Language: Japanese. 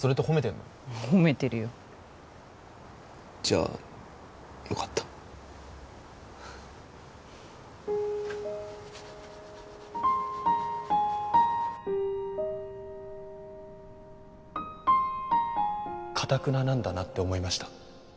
褒めてるよじゃあよかったかたくななんだなって思いました